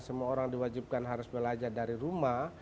semua orang diwajibkan harus belajar dari rumah